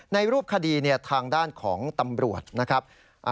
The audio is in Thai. รูปคดีทางด้านของตำรวจนะครับ